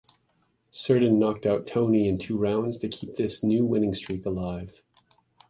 Cerdan knocked out Toney in two rounds to keep this new winning streak alive.